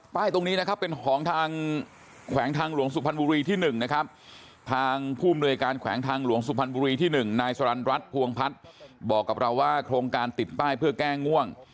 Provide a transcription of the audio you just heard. ตรงนี้นะครับเป็นของทางแขวงทางหลวงสุพรรณบุรีที่๑นะครับทางผู้อำนวยการแขวงทางหลวงสุพรรณบุรีที่๑นายสรรรัฐพวงพัฒน์บอกกับเราว่าโครงการติดป้ายเพื่อแก้ง่วง